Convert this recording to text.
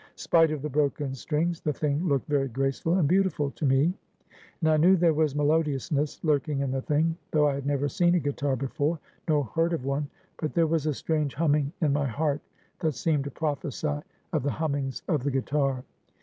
Spite of the broken strings, the thing looked very graceful and beautiful to me; and I knew there was melodiousness lurking in the thing, though I had never seen a guitar before, nor heard of one; but there was a strange humming in my heart that seemed to prophesy of the hummings of the guitar.